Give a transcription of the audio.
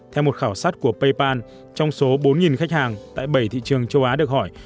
theo một khảo sát của paypal trong số bốn khách hàng tại bảy thị trường châu á được hỏi